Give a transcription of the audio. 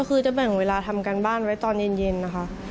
ก็คือจะแบ่งเวลาทำการบ้านไว้ตอนเย็นนะคะ